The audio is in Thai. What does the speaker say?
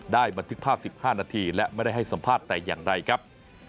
บันทึกภาพ๑๕นาทีและไม่ได้ให้สัมภาษณ์แต่อย่างใดครับ